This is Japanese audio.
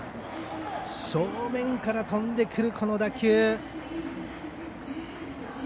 正面から飛んでくる打球。